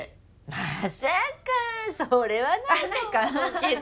まさかそれはないと思うけど。